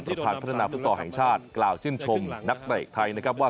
บริฐานพนานฝสรห่างชาติกล่าวชื่นชมนักไหล่นักรายไทยนะครับ